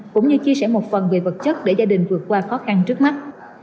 cũng như chia sẻ một phần về vật chất để gia đình vượt qua khó khăn trước mắt